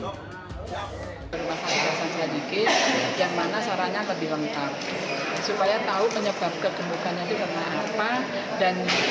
berapa berat badan